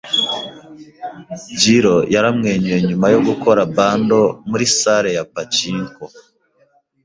Jiro yaramwenyuye nyuma yo gukora bundle muri salle ya pachinko.